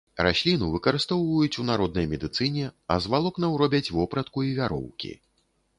Расліну выкарыстоўваюць у народнай медыцыне, а з валокнаў робяць вопратку і вяроўкі.